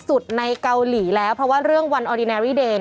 ส่วนคู่ของณเดชน์กับยาย่าอาจจะแต่งก่อนเพราะถึงจุดอิ่มตัวแล้วเขาก็รุ้นเหมือนกัน